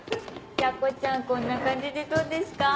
チャコちゃんこんな感じでどうですか？